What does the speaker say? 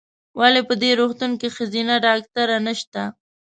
ولې په دي روغتون کې ښځېنه ډاکټره نشته ؟